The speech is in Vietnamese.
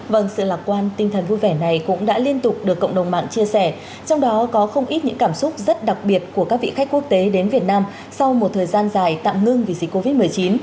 vâng sự lạc quan tinh thần vui vẻ này cũng đã liên tục được cộng đồng mạng chia sẻ trong đó có không ít những cảm xúc rất đặc biệt của các vị khách quốc tế đến việt nam sau một thời gian dài tạm ngưng vì dịch covid một mươi chín